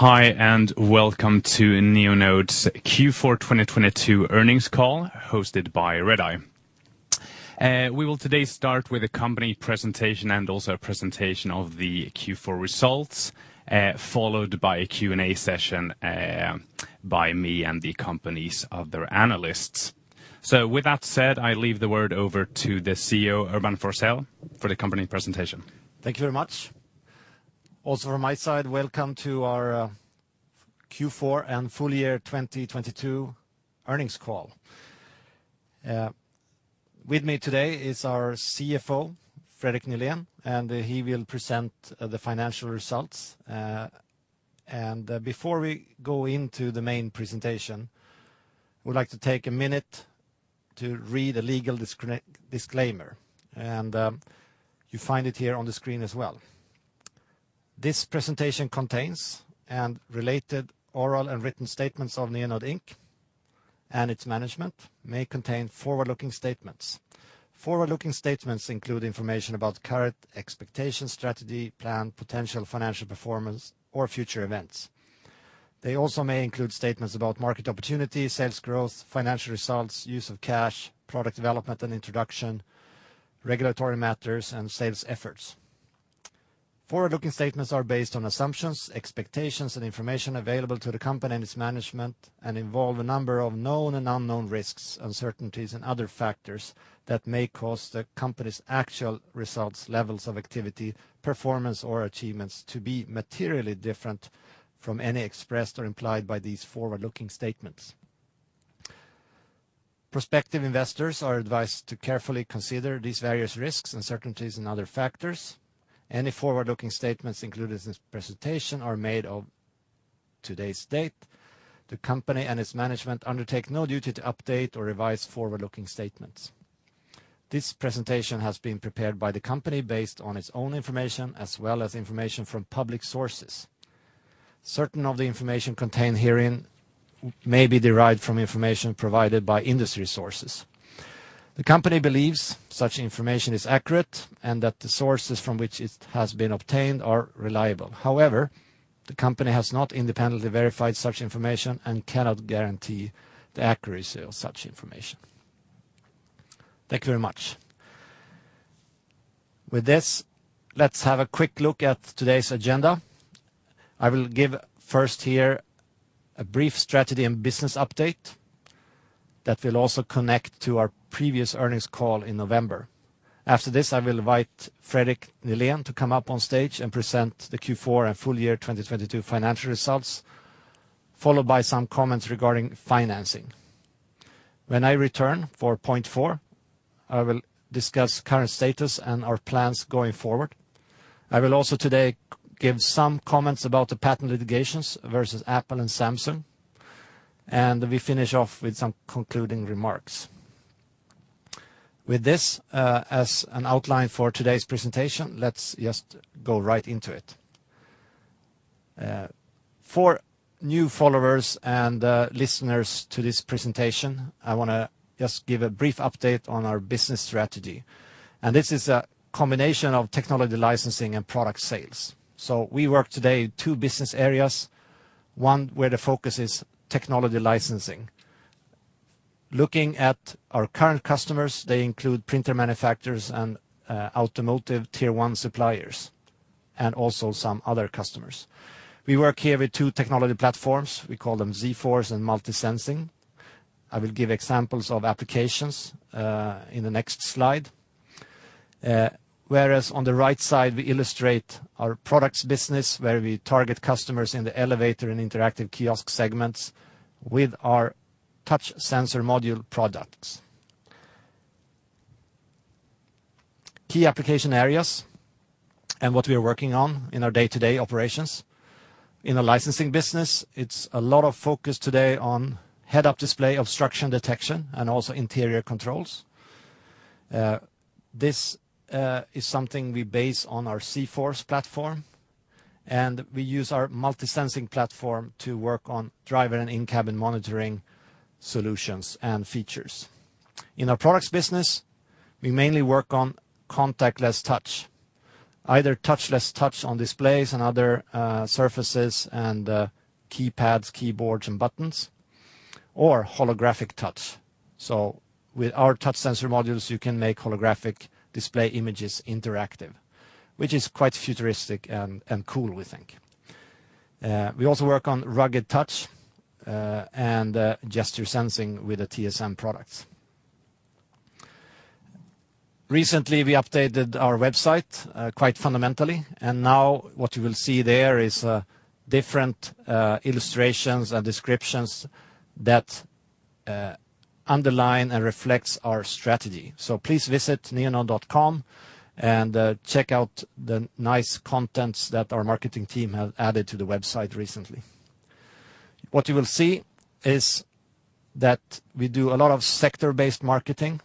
Hi, and welcome to Neonode's Q4 2022 earnings call, hosted by Redeye. We will today start with a company presentation and also a presentation of the Q4 results, followed by a Q&A session by me and the companies of their analysts. With that said, I leave the word over to the CEO, Urban Forssell, for the company presentation. Thank you very much. Also, from my side, welcome to our Q4 and full year 2022 earnings call. With me today is our CFO, Fredrik Nihlén, and he will present the financial results. Before we go into the main presentation, we'd like to take a minute to read a legal disclaimer, and you find it here on the screen as well. This presentation contains related oral and written statements of Neonode and its management. It may contain forward-looking statements. Forward-looking statements include information about current expectations, strategy, plan, potential financial performance, or future events. They also may include statements about market opportunity, sales growth, financial results, use of cash, product development and introduction, regulatory matters, and sales efforts. Forward-looking statements are based on assumptions, expectations, and information available to the company and its management, and involve a number of known and unknown risks, uncertainties, and other factors that may cause the company's actual results, levels of activity, performance, or achievements to be materially different from any expressed or implied by these forward-looking statements. Prospective investors are advised to carefully consider these various risks, uncertainties, and other factors. Any forward-looking statements included in this presentation are made as of today's date. The company and its management undertake no duty to update or revise forward-looking statements. This presentation has been prepared by the company based on its own information, as well as information from public sources. Certain of the information contained herein may be derived from information provided by industry sources. The company believes such information is accurate and that the sources from which it has been obtained are reliable. However, the company has not independently verified such information and cannot guarantee the accuracy of such information. Thank you very much. With this, let's have a quick look at today's agenda. I will give first here a brief strategy and business update that will also connect to our previous earnings call in November. After this, I will invite Fredrik Nihlén to come up on stage and present the Q4 and full year 2022 financial results, followed by some comments regarding financing. When I return for point four, I will discuss current status and our plans going forward. I will also today give some comments about the patent litigations versus Apple and Samsung, and we finish off with some concluding remarks. With this, as an outline for today's presentation, let's just go right into it. For new followers and listeners to this presentation, I want to just give a brief update on our business strategy. This is a combination of technology licensing and product sales. We work today in two business areas, one where the focus is technology licensing. Looking at our current customers, they include printer manufacturers and automotive Tier 1 suppliers, and also some other customers. We work here with two technology platforms. We call them zForce and MultiSensing. I will give examples of applications in the next slide. Whereas on the right side, we illustrate our products business, where we target customers in the elevator and interactive kiosk segments with our touch sensor module products. Key application areas and what we are working on in our day-to-day operations. In the licensing business, it's a lot of focus head-up display obstruction detection and also interior controls. This is something we base on our zForce platform, and we use our MultiSensing platform to work on driver and in-cabin monitoring solutions and features. In our products business, we mainly work on contactless touch, either touchless touch on displays and other surfaces and keypads, keyboards, and buttons, or holographic touch. With our touch sensor modules, you can make holographic display images interactive, which is quite futuristic and cool, we think. We also work on rugged touch and gesture sensing with the TSM products. Recently, we updated our website quite fundamentally, and now what you will see there is different illustrations and descriptions that underline and reflect our strategy. Please visit neonode.com and check out the nice contents that our marketing team has added to the website recently. What you will see is that we do a lot of sector-based marketing,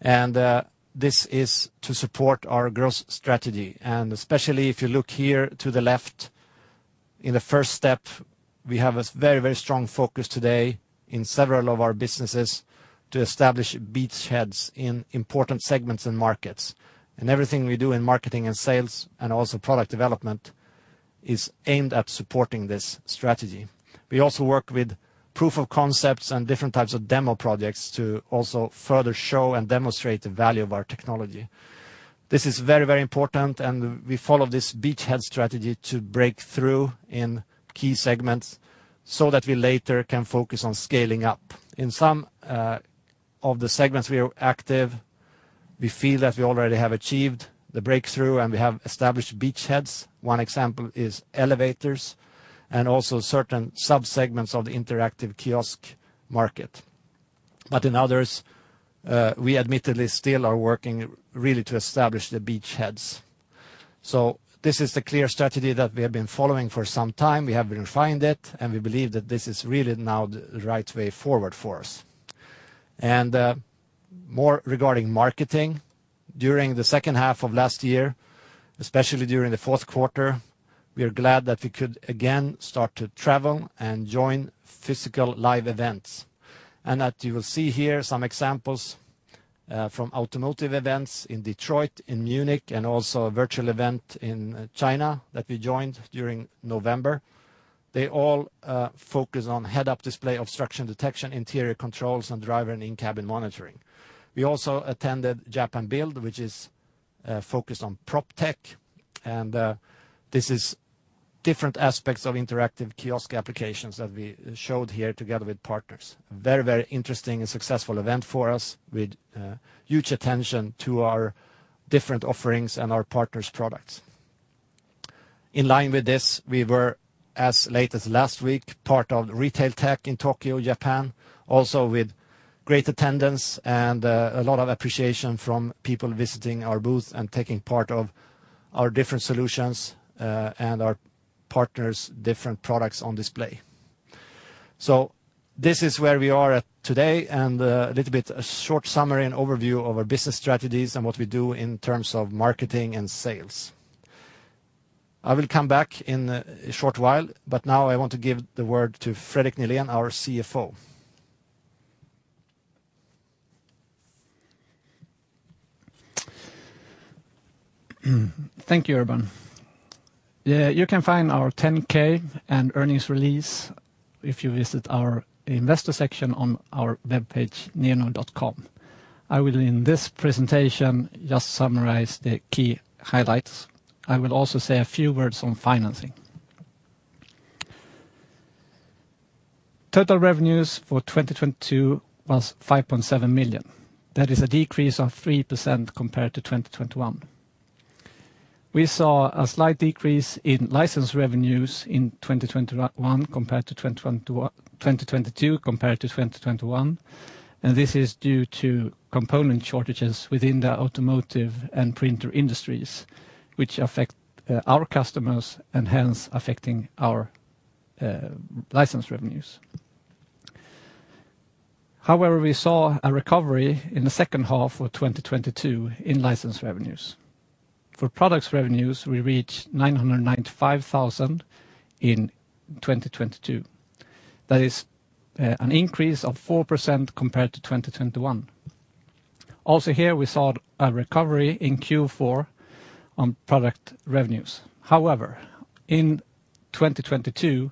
and this is to support our growth strategy. Especially if you look here to the left, in the first step, we have a very, very strong focus today in several of our businesses to establish beachheads in important segments and markets. Everything we do in marketing and sales and also product development is aimed at supporting this strategy. We also work with proof of concepts and different types of demo projects to also further show and demonstrate the value of our technology. This is very, very important, and we follow this beachhead strategy to break through in key segments so that we later can focus on scaling up. In some of the segments we are active, we feel that we already have achieved the breakthrough and we have established beachheads. One example is elevators and also certain subsegments of the interactive kiosk market. In others, we admittedly still are working really to establish the beachheads. This is the clear strategy that we have been following for some time. We have refined it, and we believe that this is really now the right way forward for us. More regarding marketing, during the second half of last year, especially during the fourth quarter, we are glad that we could again start to travel and join physical live events. You will see here some examples from automotive events in Detroit, in Munich, and also a virtual event in China that we joined during November. They all head-up display obstruction detection, interior controls, and driver and in-cabin monitoring. We also attended Japan Build, which is focused on PropTech, and this is different aspects of interactive kiosk applications that we showed here together with partners. Very, very interesting and successful event for us with huge attention to our different offerings and our partners' products. In line with this, we were, as late as last week, part of RetailTech in Tokyo, Japan, also with great attendance and a lot of appreciation from people visiting our booth and taking part of our different solutions and our partners' different products on display. This is where we are at today and a little bit of a short summary and overview of our business strategies and what we do in terms of marketing and sales. I will come back in a short while, but now I want to give the word to Fredrik Nihlén, our CFO. Thank you, Urban. You can find our 10-K and earnings release if you visit our investor section on our webpage, neonode.com. I will, in this presentation, just summarize the key highlights. I will also say a few words on financing. Total revenues for 2022 was $5.7 million. That is a decrease of 3% compared to 2021. We saw a slight decrease in license revenues in 2022 compared to 2021, and this is due to component shortages within the automotive and printer industries, which affect our customers and hence affecting our license revenues. However, we saw a recovery in the second half of 2022 in license revenues. For products revenues, we reached $995,000 in 2022. That is an increase of 4% compared to 2021. Also here, we saw a recovery in Q4 on product revenues. However, in 2022,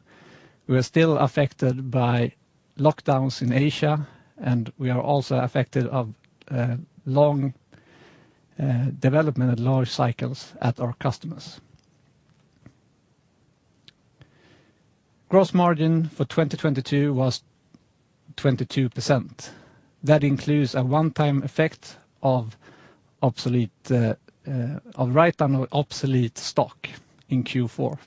we were still affected by lockdowns in Asia, and we are also affected by long development and large cycles at our customers. Gross margin for 2022 was 22%. That includes a one-time effect of write-down of obsolete stock in Q4.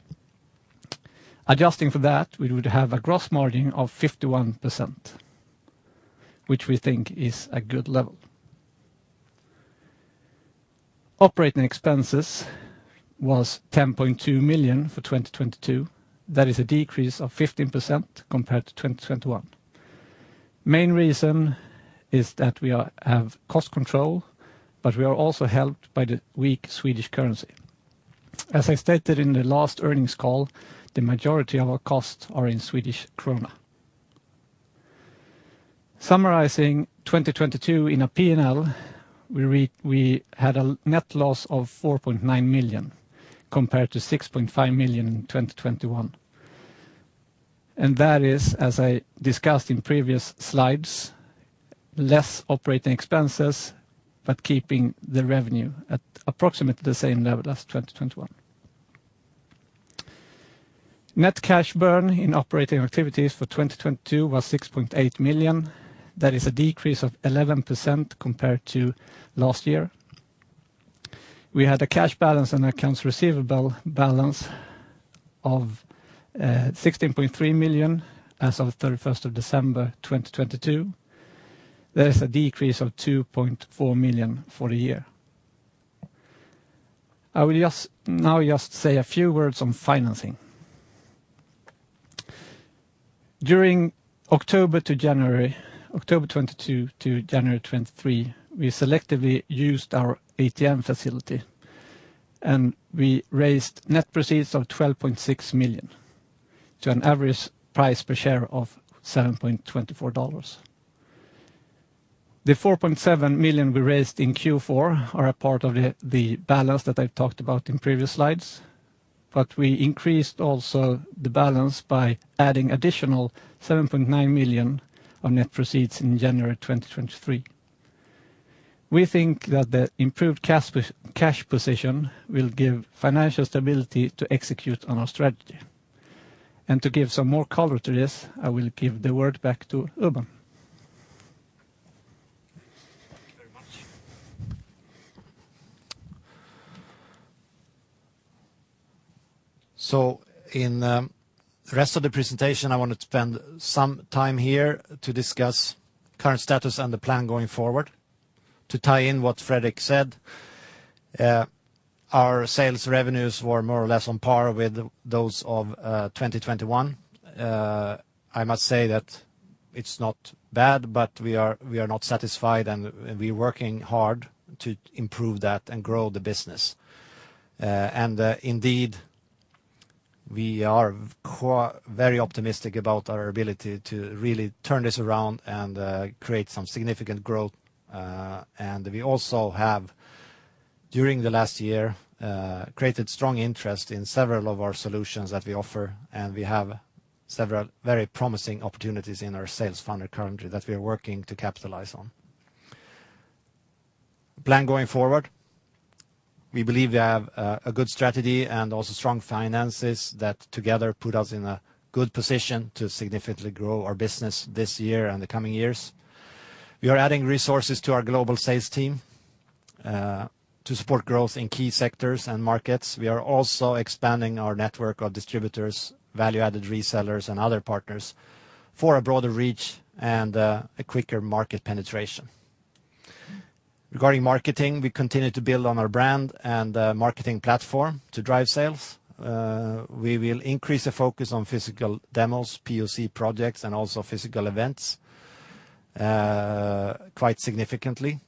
Adjusting for that, we would have a gross margin of 51%, which we think is a good level. Operating expenses was $10.2 million for 2022. That is a decrease of 15% compared to 2021. Main reason is that we have cost control, but we are also helped by the weak Swedish currency. As I stated in the last earnings call, the majority of our costs are in Swedish krona. Summarizing 2022 in a P&L, we had a net loss of $4.9 million compared to $6.5 million in 2021. As I discussed in previous slides, less operating expenses, but keeping the revenue at approximately the same level as 2021. Net cash burn in operating activities for 2022 was $6.8 million. That is a decrease of 11% compared to last year. We had a cash balance and accounts receivable balance of $16.3 million as of 31st of December 2022. That is a decrease of $2.4 million for the year. I will now just say a few words on financing. During October to January, October 2022 to January 2023, we selectively used our ATM facility, and we raised net proceeds of $12.6 million to an average price per share of $7.24. The $4.7 million we raised in Q4 are a part of the balance that I've talked about in previous slides, but we increased also the balance by adding additional $7.9 million of net proceeds in January 2023. We think that the improved cash position will give financial stability to execute on our strategy. To give some more color to this, I will give the word back to Urban. In the rest of the presentation, I want to spend some time here to discuss current status and the plan going forward. To tie in what Fredrik said, our sales revenues were more or less on par with those of 2021. I must say that it's not bad, but we are not satisfied, and we are working hard to improve that and grow the business. We are very optimistic about our ability to really turn this around and create some significant growth. We also have, during the last year, created strong interest in several of our solutions that we offer, and we have several very promising opportunities in our sales funnel currently that we are working to capitalize on. Plan going forward, we believe we have a good strategy and also strong finances that together put us in a good position to significantly grow our business this year and the coming years. We are adding resources to our global sales team to support growth in key sectors and markets. We are also expanding our network of distributors, value-added resellers, and other partners for a broader reach and a quicker market penetration. Regarding marketing, we continue to build on our brand and marketing platform to drive sales. We will increase the focus on physical demos, POC projects, and also physical events quite significantly.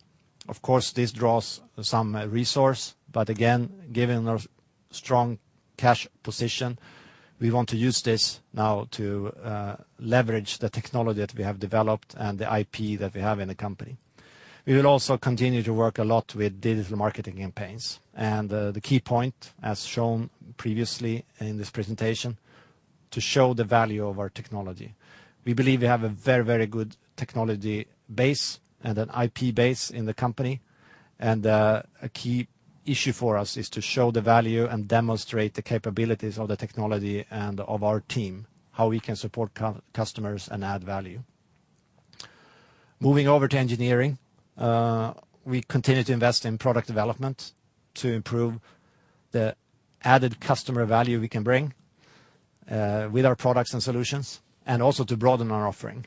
Of course, this draws some resource, but again, given our strong cash position, we want to use this now to leverage the technology that we have developed and the IP that we have in the company. We will also continue to work a lot with digital marketing campaigns. The key point, as shown previously in this presentation, is to show the value of our technology. We believe we have a very, very good technology base and an IP base in the company. A key issue for us is to show the value and demonstrate the capabilities of the technology and of our team, how we can support customers and add value. Moving over to engineering, we continue to invest in product development to improve the added customer value we can bring with our products and solutions and also to broaden our offering.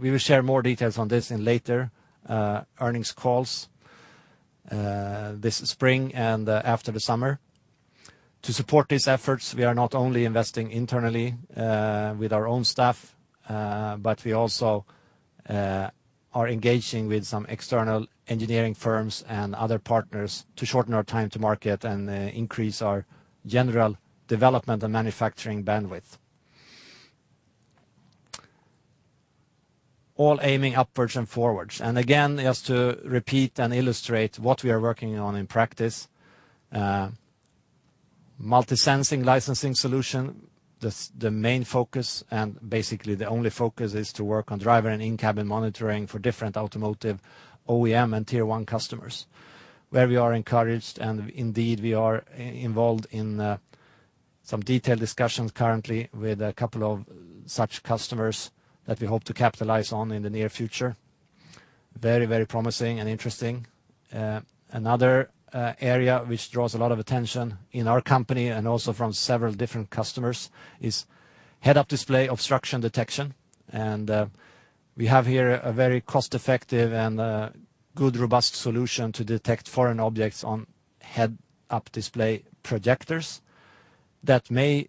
We will share more details on this in later earnings calls this spring and after the summer. To support these efforts, we are not only investing internally with our own staff, but we also are engaging with some external engineering firms and other partners to shorten our time to market and increase our general development and manufacturing bandwidth. All aiming upwards and forwards. Just to repeat and illustrate what we are working on in practice, MultiSensing licensing solution, the main focus and basically the only focus is to work on driver and in-cabin monitoring for different automotive OEM and Tier One customers, where we are encouraged. Indeed, we are involved in some detailed discussions currently with a couple of such customers that we hope to capitalize on in the near future. Very, very promising and interesting. Another area which draws a lot of attention in our company and also from several different head-up display obstruction detection. We have here a very cost-effective and good, robust solution to detect foreign head-up display projectors that may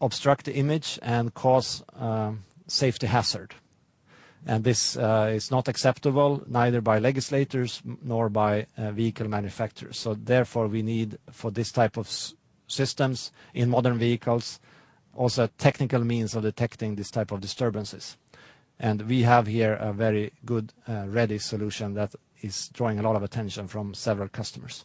obstruct the image and cause a safety hazard. This is not acceptable neither by legislators nor by vehicle manufacturers. Therefore, we need for this type of systems in modern vehicles also a technical means of detecting this type of disturbances. We have here a very good ready solution that is drawing a lot of attention from several customers.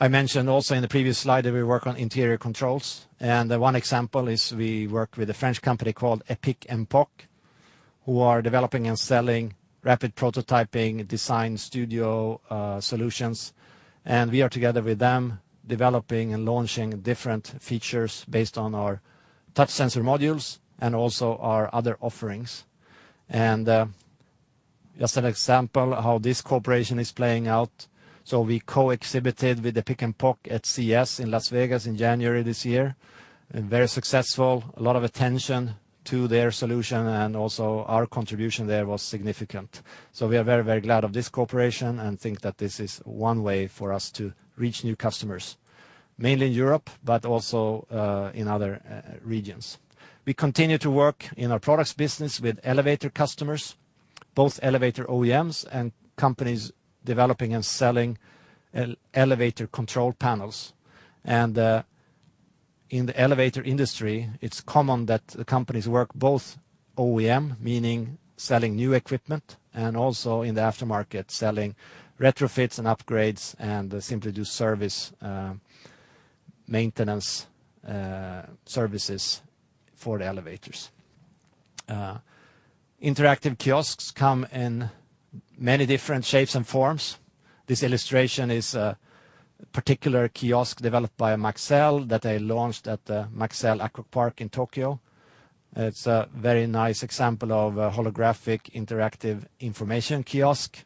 I mentioned also in the previous slide that we work on interior controls. One example is we work with a French company called EpicNpoc, who are developing and selling rapid prototyping design studio solutions. We are together with them developing and launching different features based on our touch sensor modules and also our other offerings. Just an example of how this cooperation is playing out. We co-exhibited with epicnpoc at CES in Las Vegas in January this year. Very successful, a lot of attention to their solution and also our contribution there was significant. We are very, very glad of this cooperation and think that this is one way for us to reach new customers, mainly in Europe, but also in other regions. We continue to work in our products business with elevator customers, both elevator OEMs and companies developing and selling elevator control panels. In the elevator industry, it is common that the companies work both OEM, meaning selling new equipment, and also in the aftermarket, selling retrofits and upgrades and simply do service maintenance services for the elevators. Interactive kiosks come in many different shapes and forms. This illustration is a particular kiosk developed by Maxell that they launched at the Maxell Aqua Park in Tokyo. It's a very nice example of a holographic interactive information kiosk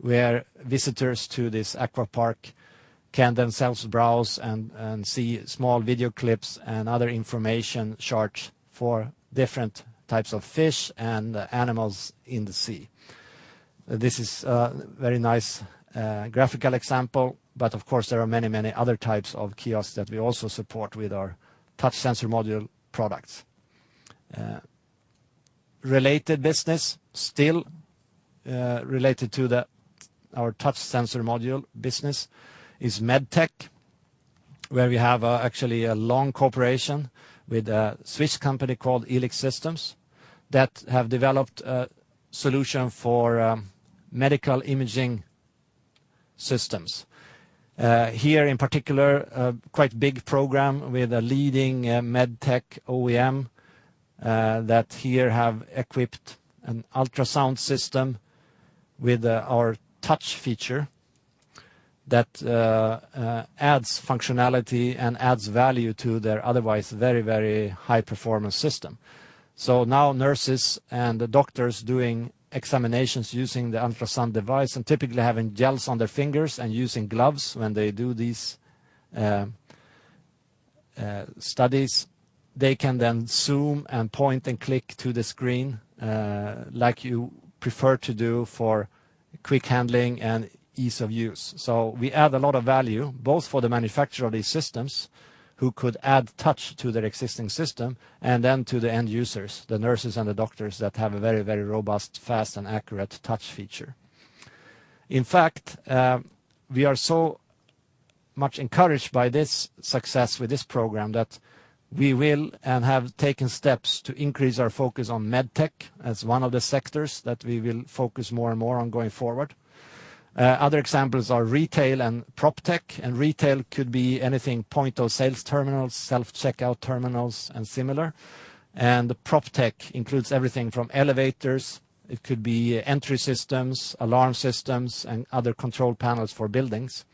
where visitors to this aquapark can themselves browse and see small video clips and other information shorts for different types of fish and animals in the sea. This is a very nice graphical example. Of course, there are many, many other types of kiosks that we also support with our touch sensor module products. Related business still related to our touch sensor module business is MedTech, where we have actually a long cooperation with a Swiss company called Elix Systems that have developed a solution for medical imaging systems. Here in particular, a quite big program with a leading MedTech OEM that here have equipped an ultrasound system with our touch feature that adds functionality and adds value to their otherwise very, very high performance system. Nurses and doctors doing examinations using the ultrasound device and typically having gels on their fingers and using gloves when they do these studies, they can then zoom and point and click to the screen like you prefer to do for quick handling and ease of use. We add a lot of value both for the manufacturer of these systems who could add touch to their existing system and then to the end users, the nurses and the doctors that have a very, very robust, fast, and accurate touch feature. In fact, we are so much encouraged by this success with this program that we will and have taken steps to increase our focus on MedTech as one of the sectors that we will focus more and more on going forward. Other examples are retail and PropTech, and retail could be anything, point of sales terminals, self checkout terminals, and similar. The PropTech includes everything from elevators. It could be entry systems, alarm systems, and other control panels for buildings.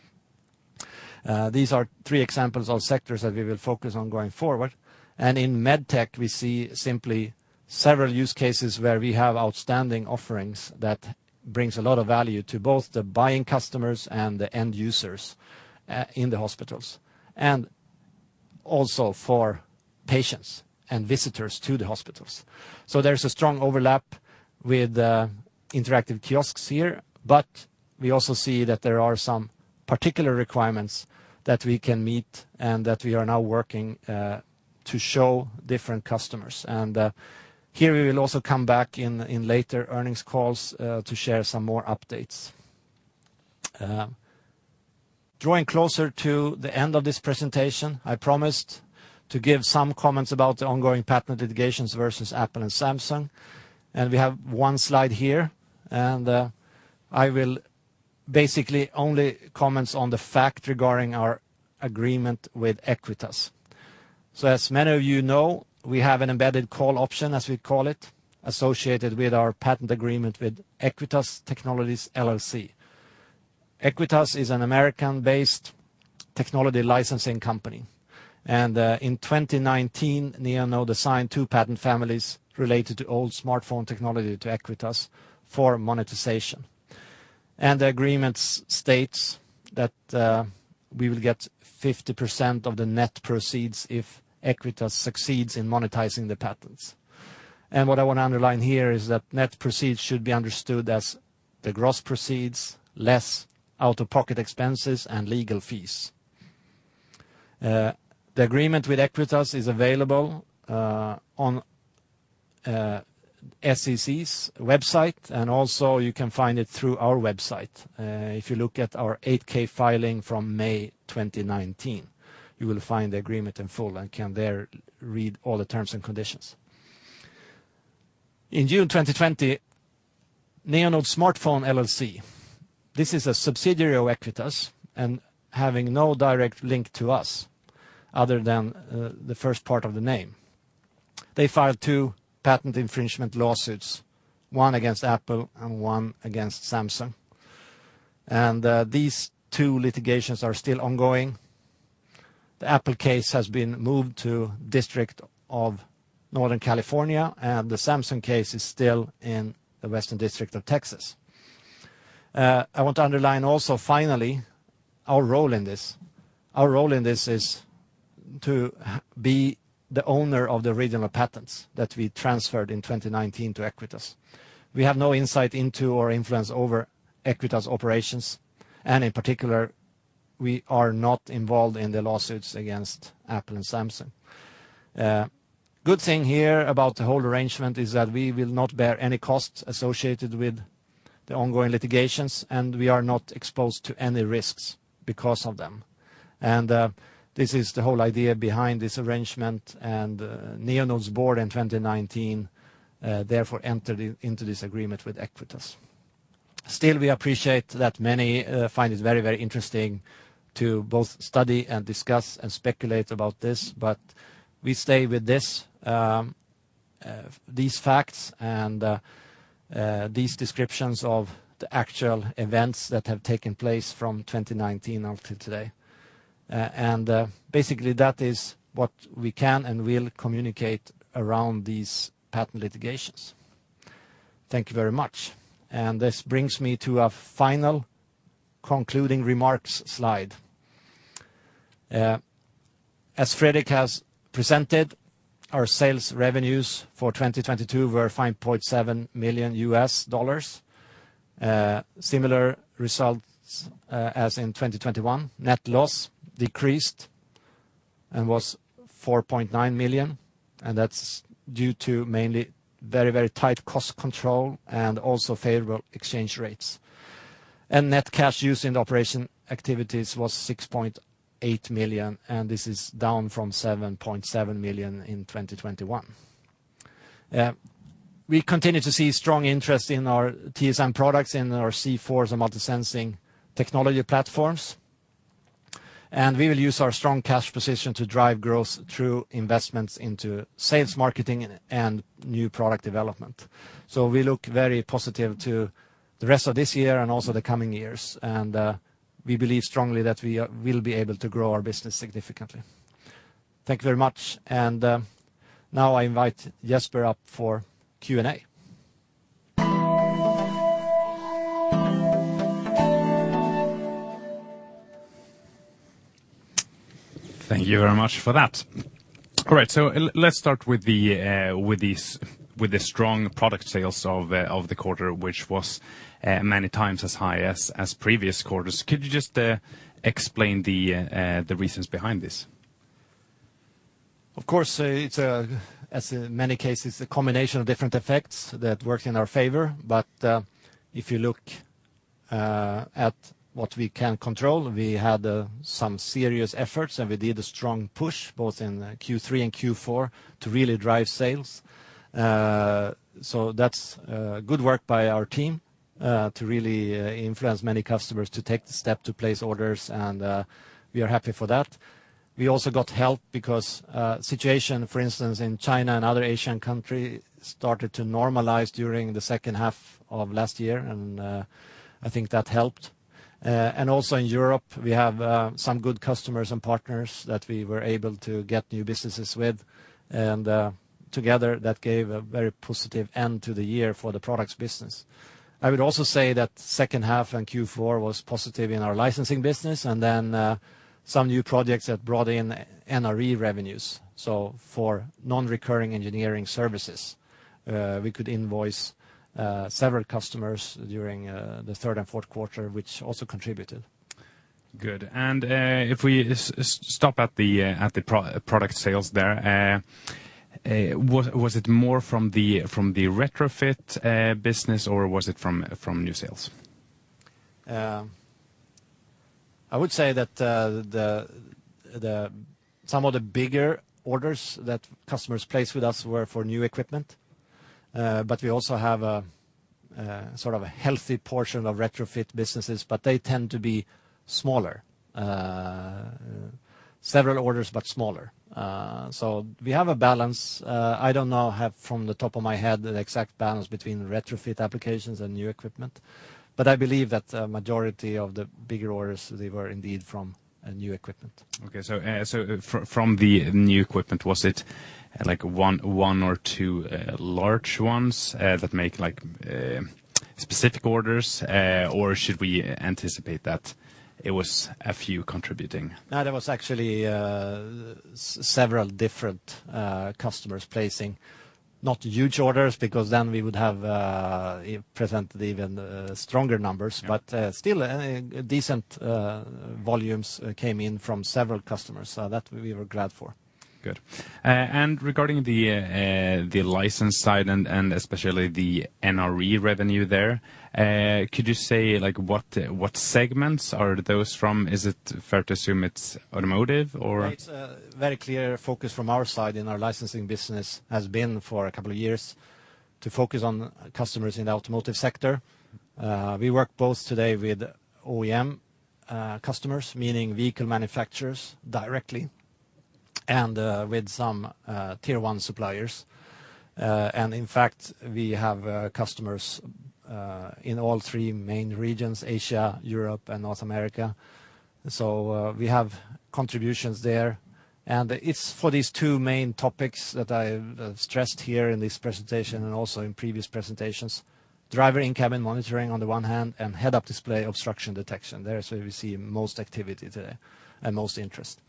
These are three examples of sectors that we will focus on going forward. In MedTech, we see simply several use cases where we have outstanding offerings that bring a lot of value to both the buying customers and the end users in the hospitals and also for patients and visitors to the hospitals. There is a strong overlap with interactive kiosks here, but we also see that there are some particular requirements that we can meet and that we are now working to show different customers. We will also come back in later earnings calls to share some more updates. Drawing closer to the end of this presentation, I promised to give some comments about the ongoing patent litigations versus Apple and Samsung. We have one slide here, and I will basically only comment on the fact regarding our agreement with Aequitas. As many of you know, we have an embedded call option, as we call it, associated with our patent agreement with Aequitas Technologies LLC. Aequitas is an American-based technology licensing company. In 2019, Neonode signed two patent families related to old smartphone technology to Aequitas for monetization. The agreement states that we will get 50% of the net proceeds if Aequitas succeeds in monetizing the patents. What I want to underline here is that net proceeds should be understood as the gross proceeds, less out-of-pocket expenses and legal fees. The agreement with Aequitas is available on SEC's website, and also you can find it through our website. If you look at our 8-K filing from May 2019, you will find the agreement in full and can there read all the terms and conditions. In June 2020, Neonode Smartphone LLC, this is a subsidiary of Aequitas and having no direct link to us other than the first part of the name. They filed two patent infringement lawsuits, one against Apple and one against Samsung. These two litigations are still ongoing. The Apple case has been moved to the Northern District of California, and the Samsung case is still in the Western District of Texas. I want to underline also finally our role in this. Our role in this is to be the owner of the regional patents that we transferred in 2019 to Aequitas. We have no insight into or influence over Aequitas operations. In particular, we are not involved in the lawsuits against Apple and Samsung. The good thing here about the whole arrangement is that we will not bear any costs associated with the ongoing litigations, and we are not exposed to any risks because of them. This is the whole idea behind this arrangement. Neonode's board in 2019 therefore entered into this agreement with Aequitas. Still, we appreciate that many find it very, very interesting to both study and discuss and speculate about this, but we stay with these facts and these descriptions of the actual events that have taken place from 2019 until today. Basically, that is what we can and will communicate around these patent litigations. Thank you very much. This brings me to our final concluding remarks slide. As Fredrik has presented, our sales revenues for 2022 were $5.7 million. Similar results as in 2021. Net loss decreased and was $4.9 million. That is due to mainly very, very tight cost control and also favorable exchange rates. Net cash used in the operation activities was $6.8 million. This is down from $7.7 million in 2021. We continue to see strong interest in our TSM products and our zForce and MultiSensing technology platforms. We will use our strong cash position to drive growth through investments into sales, marketing, and new product development. We look very positive to the rest of this year and also the coming years. We believe strongly that we will be able to grow our business significantly. Thank you very much. Now I invite Jesper up for Q&A. Thank you very much for that. All right. Let's start with the strong product sales of the quarter, which was many times as high as previous quarters. Could you just explain the reasons behind this? Of course, it's, as in many cases, a combination of different effects that worked in our favor. If you look at what we can control, we had some serious efforts and we did a strong push both in Q3 and Q4 to really drive sales. That's good work by our team to really influence many customers to take the step to place orders. We are happy for that. We also got help because the situation, for instance, in China and other Asian countries started to normalize during the second half of last year. I think that helped. Also in Europe, we have some good customers and partners that we were able to get new businesses with. Together, that gave a very positive end to the year for the products business. I would also say that the second half and Q4 was positive in our licensing business and then some new projects that brought in NRE revenues. For non-recurring engineering services, we could invoice several customers during the third and fourth quarter, which also contributed. Good. If we stop at the product sales there, was it more from the retrofit business or was it from new sales? I would say that some of the bigger orders that customers place with us were for new equipment. We also have a sort of a healthy portion of retrofit businesses, but they tend to be smaller. Several orders, but smaller. We have a balance. I don't know from the top of my head the exact balance between retrofit applications and new equipment, but I believe that the majority of the bigger orders, they were indeed from new equipment. Okay. From the new equipment, was it like one or two large ones that make specific orders, or should we anticipate that it was a few contributing? No, there was actually several different customers placing not huge orders because then we would have presented even stronger numbers, but still decent volumes came in from several customers that we were glad for. Good. Regarding the license side and especially the NRE revenue there, could you say what segments are those from? Is it fair to assume it's automotive or? It's a very clear focus from our side in our licensing business has been for a couple of years to focus on customers in the automotive sector. We work both today with OEM customers, meaning vehicle manufacturers directly and with some Tier 1 suppliers. In fact, we have customers in all three main regions: Asia, Europe, and North America. We have contributions there. It's for these two main topics that I stressed here in this presentation and also in previous presentations: driver in cabin monitoring on the one head-up display obstruction detection. That's where we see most activity today and most interest.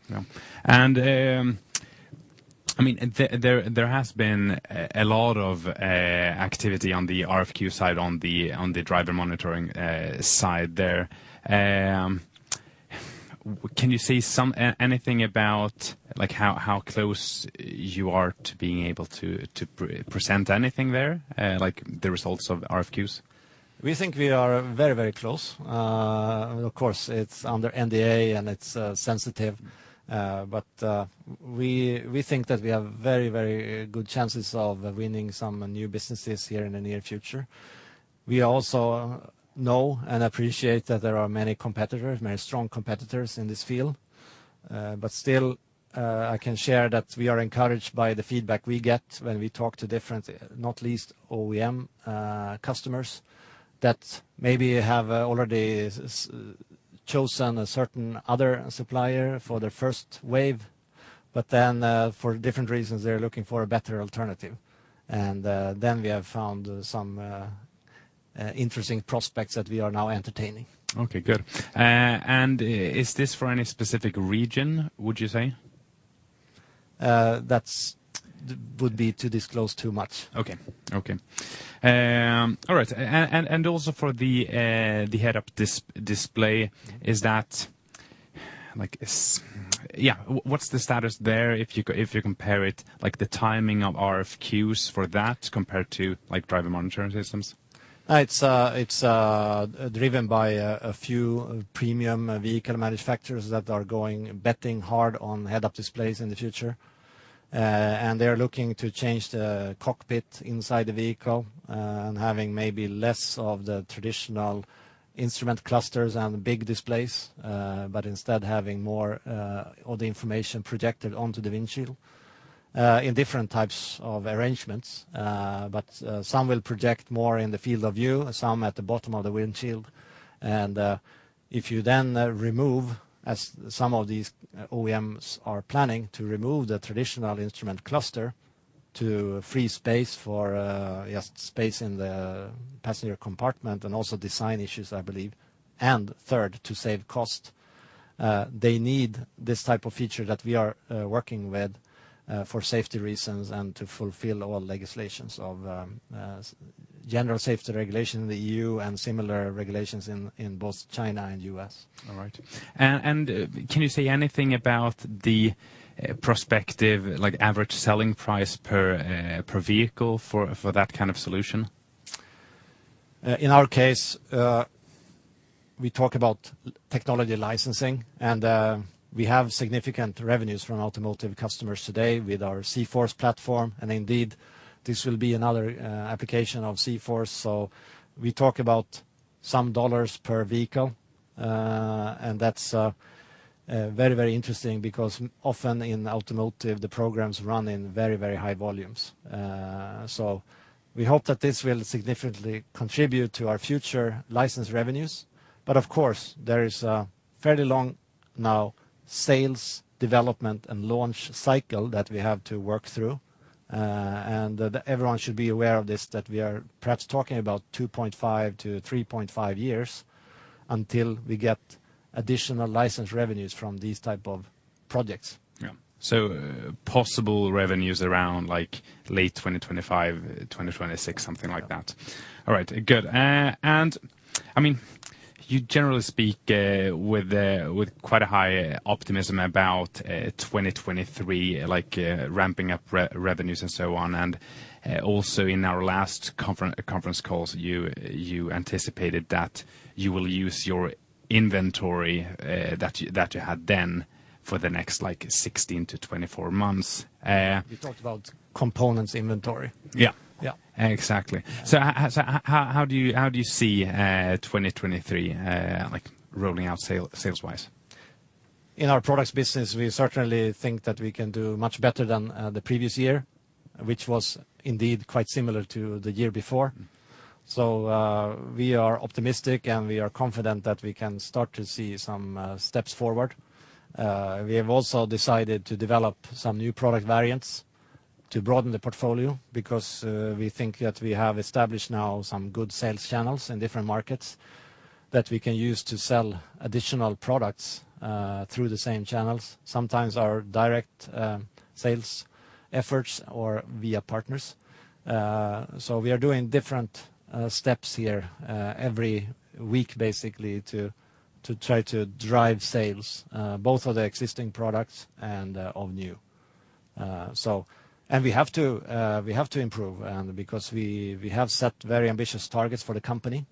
I mean, there has been a lot of activity on the RFQ side on the driver monitoring side there. Can you say anything about how close you are to being able to present anything there, like the results of RFQs? We think we are very, very close. Of course, it's under NDA and it's sensitive. We think that we have very, very good chances of winning some new businesses here in the near future. We also know and appreciate that there are many competitors, many strong competitors in this field. Still, I can share that we are encouraged by the feedback we get when we talk to different, not least OEM customers that maybe have already chosen a certain other supplier for their first wave, but then for different reasons, they're looking for a better alternative. We have found some interesting prospects that we are now entertaining. Okay, good. Is this for any specific region, would you say? That would be to disclose too much. Okay. Okay. All right. Also head-up display, is that, yeah, what's the status there if you compare it, like the timing of RFQs for that compared to driver monitoring systems? It's driven by a few premium vehicle manufacturers that are betting head-up displays in the future. They are looking to change the cockpit inside the vehicle and having maybe less of the traditional instrument clusters and big displays, but instead having more of the information projected onto the windshield in different types of arrangements. Some will project more in the field of view, some at the bottom of the windshield. If you then remove, as some of these OEMs are planning to remove the traditional instrument cluster to free space for space in the passenger compartment and also design issues, I believe. Third, to save cost, they need this type of feature that we are working with for safety reasons and to fulfill all legislations of General Safety Regulation in the EU and similar regulations in both China and U.S.. All right. Can you say anything about the prospective, like average selling price per vehicle for that kind of solution? In our case, we talk about technology licensing, and we have significant revenues from automotive customers today with our zForce platform. Indeed, this will be another application of zForce. We talk about some dollars per vehicle. That is very, very interesting because often in automotive, the programs run in very, very high volumes. We hope that this will significantly contribute to our future license revenues. Of course, there is a fairly long sales development and launch cycle that we have to work through. Everyone should be aware of this that we are perhaps talking about 2.5-3.5 years until we get additional license revenues from these types of projects. Yeah. Possible revenues around late 2025, 2026, something like that. All right. Good. I mean, you generally speak with quite a high optimism about 2023, like ramping up revenues and so on. Also in our last conference calls, you anticipated that you will use your inventory that you had then for the next 16-24 months. We talked about components inventory. Yeah. Yeah. Exactly. How do you see 2023 rolling out sales-wise? In our products business, we certainly think that we can do much better than the previous year, which was indeed quite similar to the year before. We are optimistic and we are confident that we can start to see some steps forward. We have also decided to develop some new product variants to broaden the portfolio because we think that we have established now some good sales channels in different markets that we can use to sell additional products through the same channels, sometimes our direct sales efforts or via partners. We are doing different steps here every week, basically, to try to drive sales, both of the existing products and of new. We have to improve because we have set very ambitious targets for the company.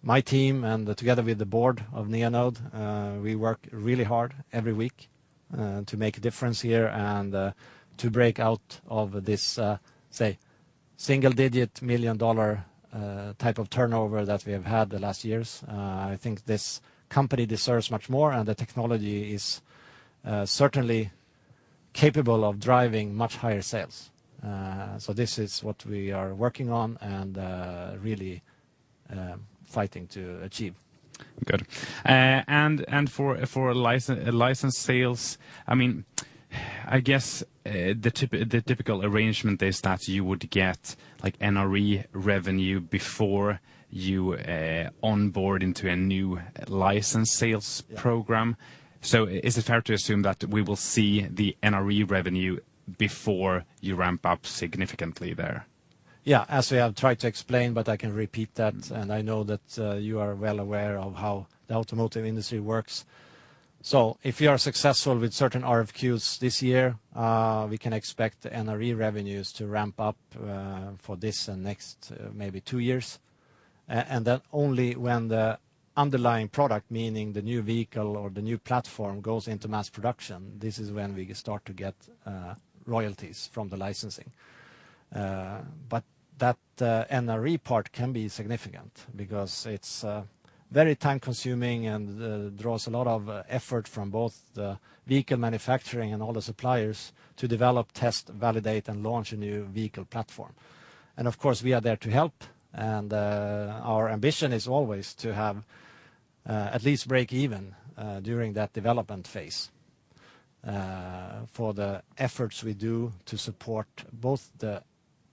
My team and together with the board of Neonode, we work really hard every week to make a difference here and to break out of this, say, single-digit million-dollar type of turnover that we have had the last years. I think this company deserves much more, and the technology is certainly capable of driving much higher sales. This is what we are working on and really fighting to achieve. Good. For license sales, I mean, I guess the typical arrangement is that you would get NRE revenue before you onboard into a new license sales program. Is it fair to assume that we will see the NRE revenue before you ramp up significantly there? Yeah, as we have tried to explain, but I can repeat that. I know that you are well aware of how the automotive industry works. If we are successful with certain RFQs this year, we can expect NRE revenues to ramp up for this and next maybe two years. Only when the underlying product, meaning the new vehicle or the new platform, goes into mass production, this is when we start to get royalties from the licensing. That NRE part can be significant because it's very time-consuming and draws a lot of effort from both the vehicle manufacturing and all the suppliers to develop, test, validate, and launch a new vehicle platform. Of course, we are there to help. Our ambition is always to have at least break even during that development phase for the efforts we do to support both the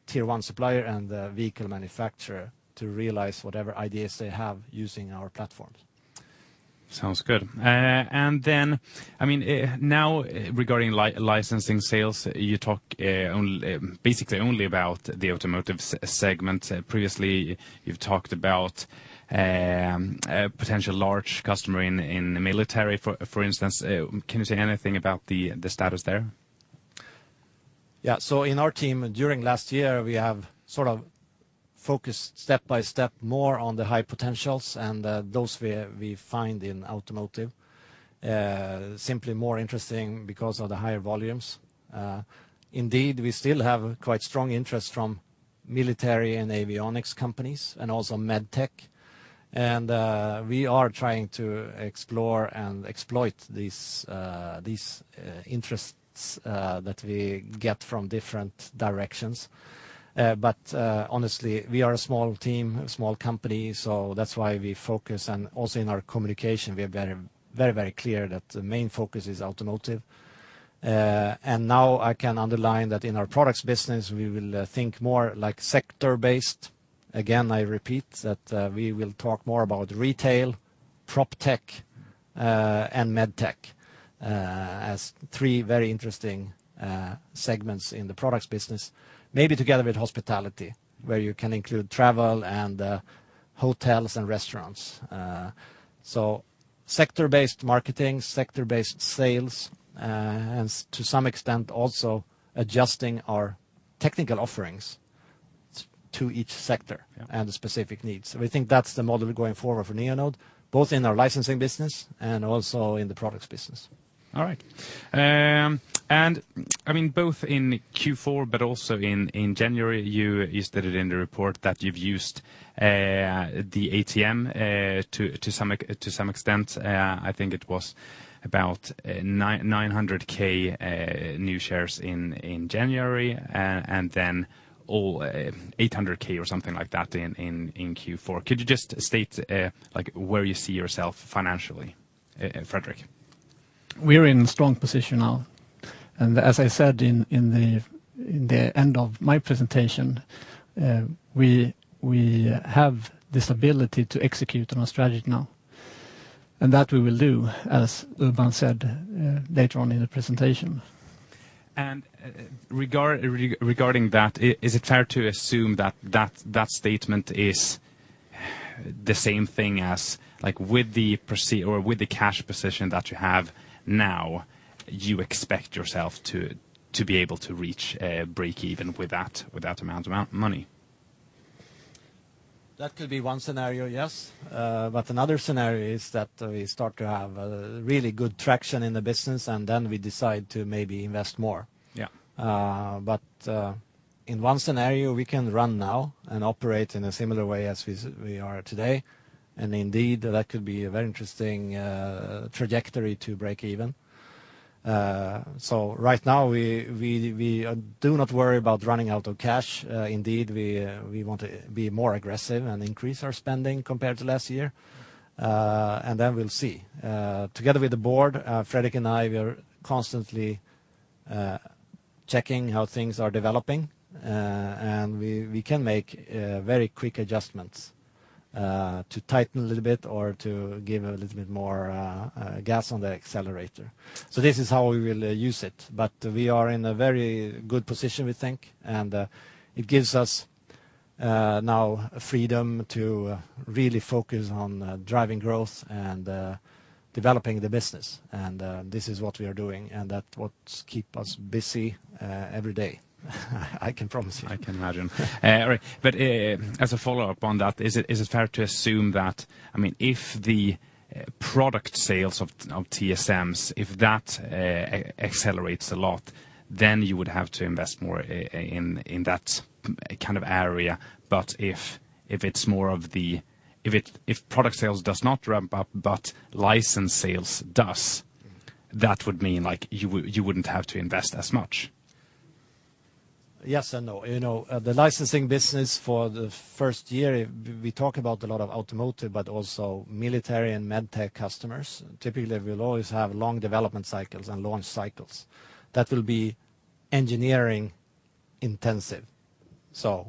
tier one supplier and the vehicle manufacturer to realize whatever ideas they have using our platforms. Sounds good. I mean, now regarding licensing sales, you talk basically only about the automotive segment. Previously, you've talked about potential large customers in the military, for instance. Can you say anything about the status there? Yeah. In our team, during last year, we have sort of focused step by step more on the high potentials and those we find in automotive. Simply more interesting because of the higher volumes. Indeed, we still have quite strong interest from military and avionics companies and also Medtech. We are trying to explore and exploit these interests that we get from different directions. Honestly, we are a small team, a small company. That is why we focus. Also, in our communication, we are very, very clear that the main focus is automotive. I can underline that in our products business, we will think more like sector-based. Again, I repeat that we will talk more about retail, PropTech, and Medtech as three very interesting segments in the products business, maybe together with hospitality, where you can include travel and hotels and restaurants. Sector-based marketing, sector-based sales, and to some extent also adjusting our technical offerings to each sector and the specific needs. We think that's the model going forward for Neonode, both in our licensing business and also in the products business. All right. I mean, both in Q4, but also in January, you stated in the report that you've used the ATM to some extent. I think it was about 900,000 new shares in January and then 800,000 or something like that in Q4. Could you just state where you see yourself financially, Fredrik? We're in a strong position now. As I said in the end of my presentation, we have this ability to execute on our strategy now. That we will do, as Urban said later on in the presentation. Regarding that, is it fair to assume that that statement is the same thing as with the cash position that you have now, you expect yourself to be able to reach a break even with that amount of money? That could be one scenario, yes. Another scenario is that we start to have really good traction in the business and then we decide to maybe invest more. In one scenario, we can run now and operate in a similar way as we are today. Indeed, that could be a very interesting trajectory to break even. Right now, we do not worry about running out of cash. Indeed, we want to be more aggressive and increase our spending compared to last year. We will see. Together with the board, Fredrik and I are constantly checking how things are developing. We can make very quick adjustments to tighten a little bit or to give a little bit more gas on the accelerator. This is how we will use it. We are in a very good position, we think. It gives us now freedom to really focus on driving growth and developing the business. This is what we are doing. That is what keeps us busy every day. I can promise you. I can imagine. As a follow-up on that, is it fair to assume that, I mean, if the product sales of TSMs, if that accelerates a lot, then you would have to invest more in that kind of area. If product sales does not ramp up but license sales does, that would mean you would not have to invest as much? Yes and no. The licensing business for the first year, we talk about a lot of automotive, but also military and Medtech customers. Typically, we'll always have long development cycles and launch cycles that will be engineering intensive.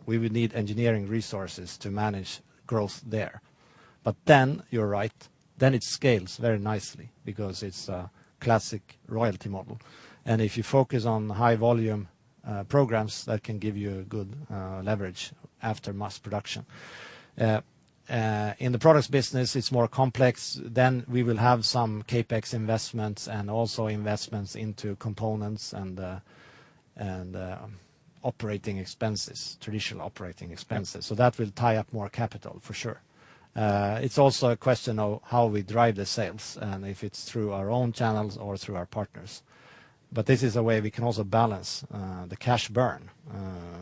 We would need engineering resources to manage growth there. You're right, it scales very nicely because it's a classic royalty model. If you focus on high volume programs, that can give you good leverage after mass production. In the products business, it's more complex. We will have some CapEx investments and also investments into components and traditional operating expenses. That will tie up more capital for sure. It's also a question of how we drive the sales and if it's through our own channels or through our partners. This is a way we can also balance the cash burn.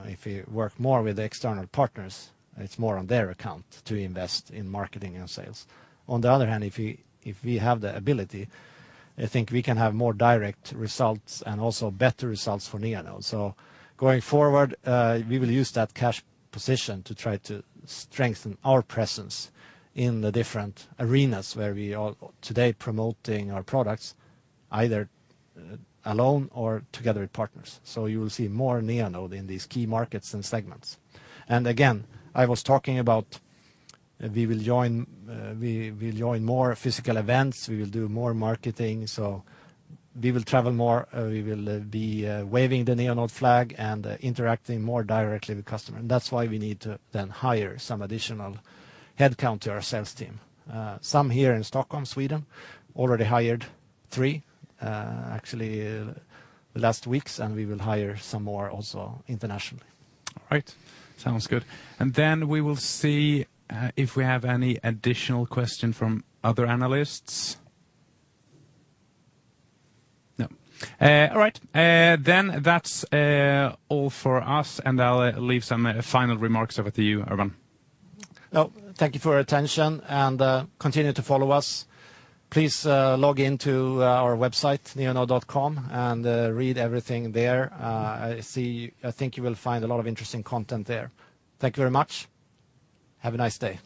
If we work more with external partners, it's more on their account to invest in marketing and sales. On the other hand, if we have the ability, I think we can have more direct results and also better results for Neonode. Going forward, we will use that cash position to try to strengthen our presence in the different arenas where we are today promoting our products, either alone or together with partners. You will see more Neonode in these key markets and segments. Again, I was talking about we will join more physical events. We will do more marketing. We will travel more. We will be waving the Neonode flag and interacting more directly with customers. That's why we need to then hire some additional headcount to our sales team. Some here in Stockholm, Sweden, already hired three, actually, the last weeks, and we will hire some more also internationally. All right. Sounds good. We will see if we have any additional questions from other analysts. No. All right. That is all for us. I will leave some final remarks over to you, Urban. Thank you for your attention and continue to follow us. Please log into our website, neonode.com, and read everything there. I think you will find a lot of interesting content there. Thank you very much. Have a nice day.